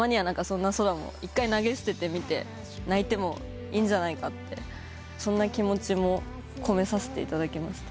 １回投げ捨ててみて泣いてもいいんじゃないかとそんな気持ちも込めさせていただきました。